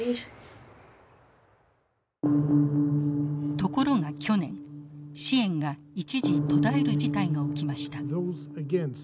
ところが去年支援が一時途絶える事態が起きました。